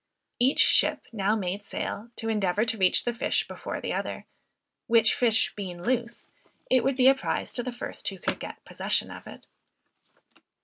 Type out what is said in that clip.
Each ship now made sail, to endeavor to reach the fish before the other; which fish being loose, would be a prize to the first who could get possession of it.